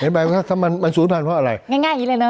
เห็นไหมครับมันศูนย์พันธุ์เพราะอะไรง่ายง่ายอย่างง่ายเลยนะครับ